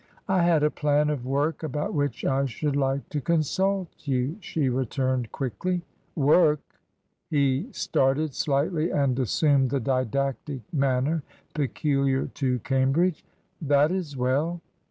I had a plan of work about which I should like to consult you," she returned, quickly. "Work!" He started slightly and assumed the didactic manner peculiar to Cambridge. "That is well."